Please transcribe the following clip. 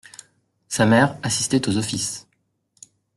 Sa mère assistait aux offices.